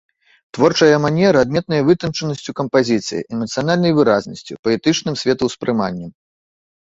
Творчая манера адметная вытанчанасцю кампазіцыі, эмацыянальнай выразнасцю, паэтычным светаўспрыманнем.